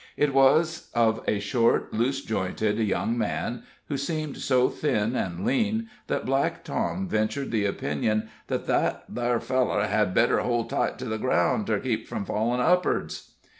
It was of a short, loose jointed young man, who seemed so thin and lean, that Black Tom ventured the opinion that "that feller had better hold tight to the groun', ter keep from fallen' upards."